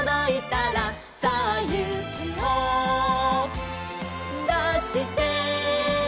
「さあゆうきをだして！」